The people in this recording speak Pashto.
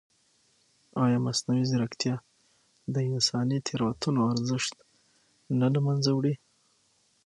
ایا مصنوعي ځیرکتیا د انساني تېروتنو ارزښت نه له منځه وړي؟